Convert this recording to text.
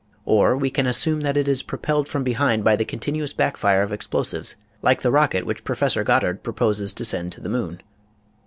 Or we can assume that it is propelled from behind by the continuous backfire of explosives, like the rocket which Professor Goddard proposes to send to the moon.